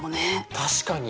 確かに。